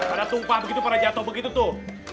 ada tumpah begitu pada jatuh begitu tuh